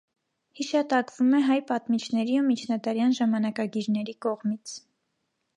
Հիաշատկվում է հայ պատմիչների ու միջնադարյան ժամանակագիրների կողմից։